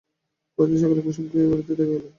পরদিন সকালে কুসুমকে এ বাড়িতে দেখা গেল।